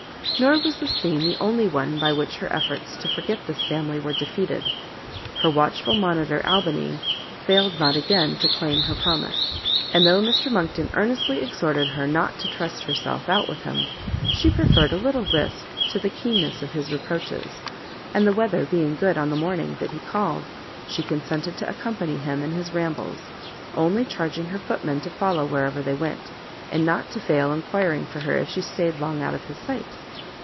Nor was this scene the only one by which her efforts to forget this family were defeated; her watchful monitor, Albany, failed not again to claim her promise; and though Mr Monckton earnestly exhorted her not to trust herself out with him, she preferred a little risk to the keenness of his reproaches, and the weather being good on the morning that he called, she consented to accompany him in his rambles: only charging her footman to follow where ever they went, and not to fail enquiring for her if she stayed long out of his sight.